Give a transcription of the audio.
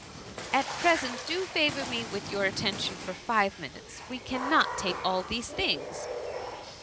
" At present, do favour me with your attention for five minutes. We cannot take all these things."